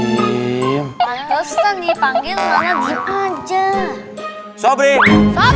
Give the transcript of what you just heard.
pantesan dipanggil malah di